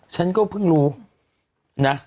ฉันก็เพิ่งรู้นะ